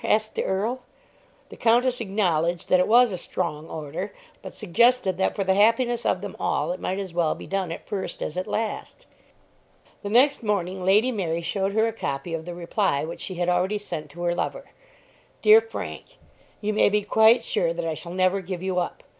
asked the Earl. The Countess acknowledged that it was a "strong order," but suggested that for the happiness of them all it might as well be done at first as at last. The next morning Lady Mary showed her a copy of the reply which she had already sent to her lover. DEAR FRANK, You may be quite sure that I shall never give you up.